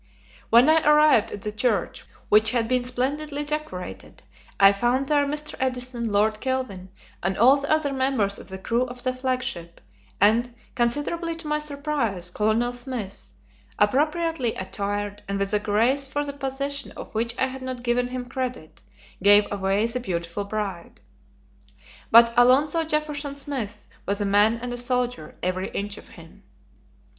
When I arrived at the church, which had been splendidly decorated, I found there Mr. Edison, Lord Kelvin, and all the other members of the crew of the flagship, and, considerably to my surprise, Colonel Smith, appropriately attired, and with a grace for the possession of which I had not given him credit, gave away the beautiful bride. But Alonzo Jefferson Smith was a man and a soldier, every inch of him.